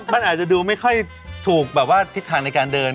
มันอาจจะดูไม่ค่อยถูกแบบว่าทิศทางในการเดิน